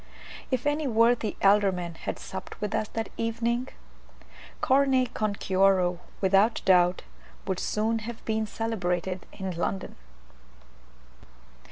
If any worthy alderman had supped with us that evening, "carne con cuero," without doubt, would soon have been celebrated in London.